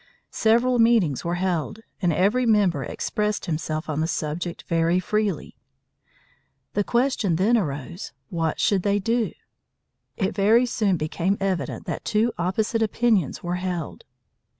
Several meetings were held, and every member expressed himself on the subject very freely. The question then arose, what should they do? It very soon became evident that two opposite opinions were held.